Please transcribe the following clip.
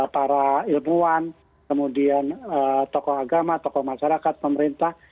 para ilmuwan kemudian tokoh agama tokoh masyarakat pemerintah